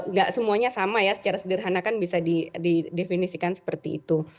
nggak semuanya sama ya secara sederhana kan bisa didefinisikan seperti itu